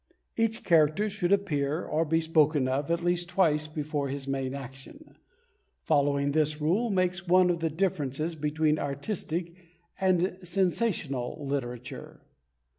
Each character should appear, or be spoken of, at least twice before his main action. Following this rule makes one of the differences between artistic and sensational literature.